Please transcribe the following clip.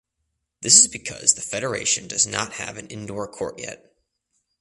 This is because the federation does not have an indoor court yet.